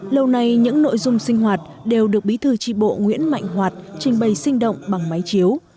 lâu nay những nội dung sinh hoạt đều được bí thư tri bộ nguyễn mạnh hoạt trình bày sinh động bằng máy chiếu